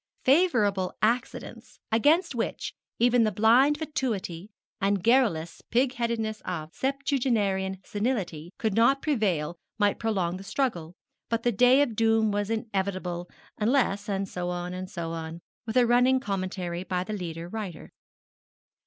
Favourable accidents, against which even the blind fatuity and garrulous pig headedness of septuagenarian senility could not prevail might prolong the struggle; but the day of doom was inevitable, unless and so on, and so on, with a running commentary by the leader writer.